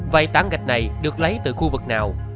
vậy tảng gạch này được lấy từ khu vực nào